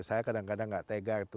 saya kadang kadang gak tega gitu